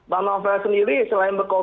bang novel sendiri selain berkobar